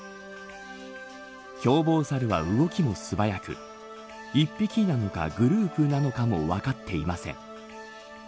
凶暴サルは、動きも素早く１匹なのかグループなのかも分かっていません。